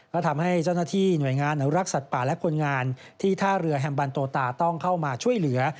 ก็ทำให้เจ้าหน้าที่หน่วยงานอนุรักษ์สัตว์ป่าและคนงานที่ท่าเรือแฮมบันโตตาต้องเข้ามาช่วยเหลือ